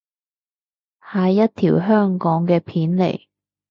係一條香港嘅片嚟